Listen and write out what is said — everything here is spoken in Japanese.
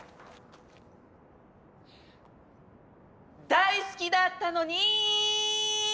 大好きだったのに！